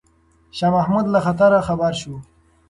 شاه محمود له خطره خبر شو.